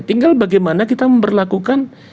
tinggal bagaimana kita memperlakukan